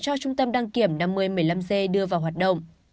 cho trung tâm đăng kiểm năm mươi một mươi năm g đưa vào hoạt động